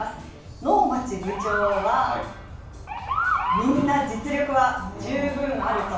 能町部長はみんな実力は十分あると。